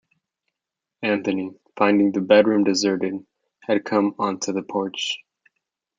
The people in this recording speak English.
Anthony, finding the bedroom deserted, had come onto the porch.